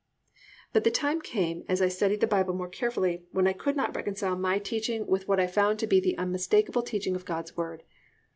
But the time came, as I studied the Bible more carefully, when I could not reconcile my teaching with what I found to be the unmistakable teaching of God's Word.